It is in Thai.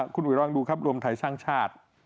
คุณอุ๋ยลองดูครับรวมไทยสร้างชาติ